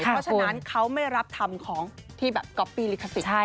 เพราะฉะนั้นเขาไม่รับทำของที่แบบก๊อปปี้ลิขสิทธิ์